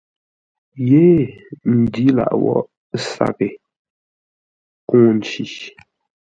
Yé ndǐ lâʼ wóghʼ saghʼ héee kúŋə́-nci.